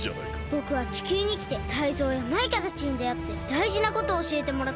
ぼくは地球にきてタイゾウやマイカたちにであってだいじなことをおしえてもらったんです。